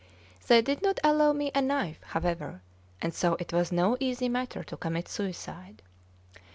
They did not allow me a knife, however, and so it was no easy matter to commit suicide.